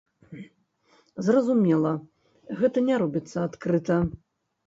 Зразумела, гэта не робіцца адкрыта.